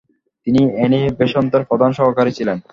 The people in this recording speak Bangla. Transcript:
তিনি অ্যানি বেসান্তের প্রধান সহকারী ছিলেন।